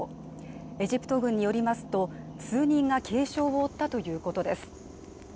エジプト軍によりますと数人が軽傷を負ったということです